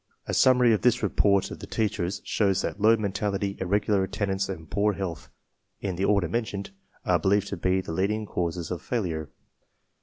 A summary of this report of the teachers shows that low mentality, irregular attendance, and poor health, in the order mentioned, are believed to be the leading causes of failure.